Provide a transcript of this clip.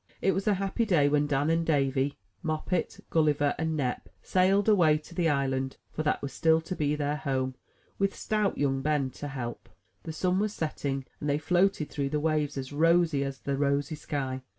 It was a happy day when Dan and Davy, Moppet, Gulliver, and Nep sailed away to the island; for that was still to be their home, with stout young Ben to help. The sun was setting; and they floated through the waves as rosy as the rosy sky.